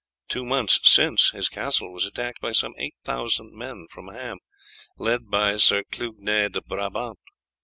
Two months since his castle was attacked by some eight thousand men from Ham, led by Sir Clugnet de Brabant.